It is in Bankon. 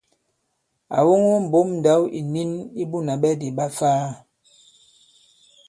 À woŋo mbǒm ndǎw ìnin i Bunà Ɓɛdì ɓa Ifaa.